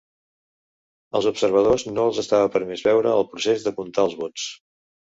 Als observadors no els estava permès veure el procés de contar els vots.